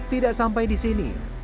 tidak sampai di sini